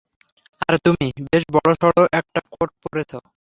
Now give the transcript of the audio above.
আর তুমি বেশ বড়সড় একটা কোট পড়েছ।